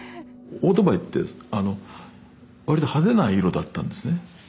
オートバイって割と派手な色だったんですね。